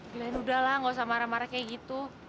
glenn udah lah gak usah marah marah kayak gitu